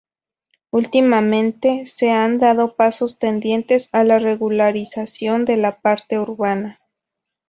Últimamente se han dado pasos tendientes a la regularización de la parte urbana.